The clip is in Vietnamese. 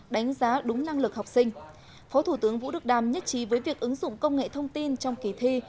đánh giá đúng năng lực học sinh phó thủ tướng vũ đức đam nhất trí với việc ứng dụng công nghệ thông tin trong kỳ thi